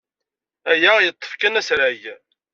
Aya yeṭṭef kan asrag.